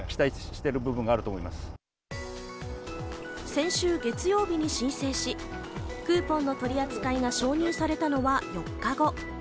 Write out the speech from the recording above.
先週月曜日に申請し、クーポンの取り扱いが承認されたのは４日後。